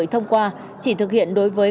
hôm qua chỉ thực hiện đối với